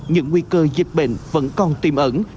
những nguy cơ dịch bệnh vẫn còn tìm ẩn